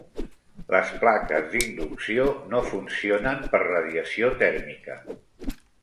Les plaques d'inducció no funcionen per radiació tèrmica.